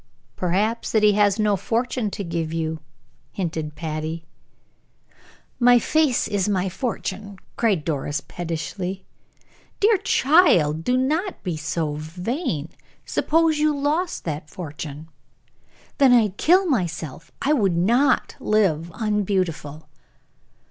"Perhaps that he has no fortune to give you," hinted Patty. "My face is my fortune," cried Doris, pettishly. "Dear child, do not be so vain! Suppose you lost that fortune." "Then I'd kill myself. I would not live unbeautiful!"